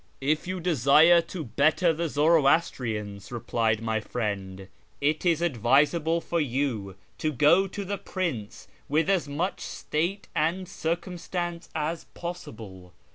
" If you desire to better the Zoroastrians," replied my friend, " it is advisable for you to go to the prince with as much state and circumstance as possible.